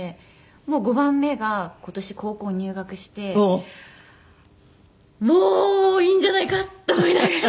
もう５番目が今年高校入学してもういいんじゃないかと思いながら。